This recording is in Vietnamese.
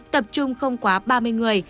tập trung không quá ba mươi người